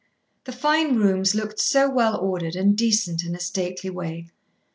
The fine rooms looked so well ordered and decent in a stately way.